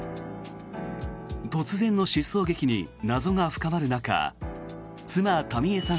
突然の失踪劇に謎が深まる中妻・民江さん